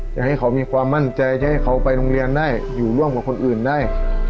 จะให้เขามีความมั่นใจจะให้เขาไปโรงเรียนได้อยู่ร่วมกับคนอื่นได้